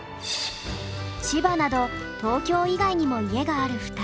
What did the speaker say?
千葉など東京以外にも家がある２人。